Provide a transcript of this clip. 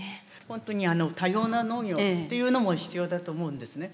ほんとに多様な農業っていうのも必要だと思うんですね。